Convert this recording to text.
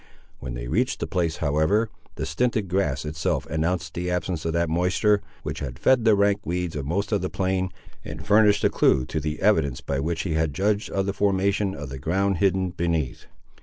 When they reached the place, however, the stinted grass itself announced the absence of that moisture, which had fed the rank weeds of most of the plain, and furnished a clue to the evidence by which he had judged of the formation of the ground hidden beneath.